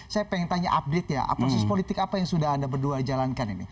saya pengen tanya update ya proses politik apa yang sudah anda berdua jalankan ini